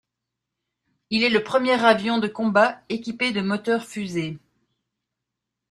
Il est le premier avion de combat équipé de moteur-fusées.